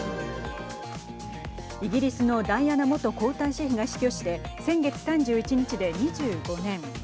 イギリスのダイアナ元皇太子妃が死去して、先月３１日で２５年。